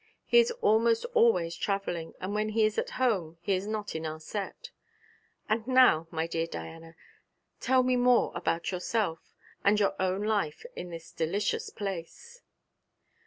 He is almost always travelling, and when he is at home he is not in our set. And now, my dear Diana, tell me more about yourself, and your own life in this delicious place.'